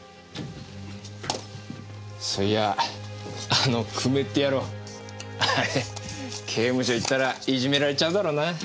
そういやあの久米って野郎あれ刑務所行ったらいじめられちゃうだろうな。